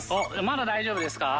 まだ大丈夫ですか？